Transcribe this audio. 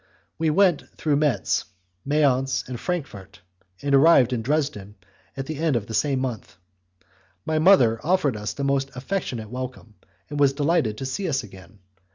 We went through Metz, Mayence, and Frankfort, and arrived in Dresden at the end of the same month. My mother offered us the most affectionate welcome, and was delighted to see us again.